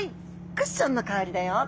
クッションの代わりだよ」と。